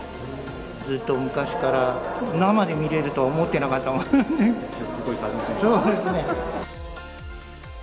ずっと昔から、生で見れると思っていなかったので。